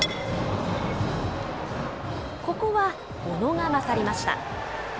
ここは小野が勝りました。